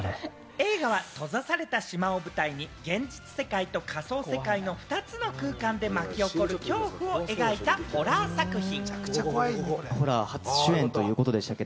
映画は閉ざされた島を舞台に、現実世界と仮想世界の２つの空間で巻き起こる恐怖を描いたホラー作品。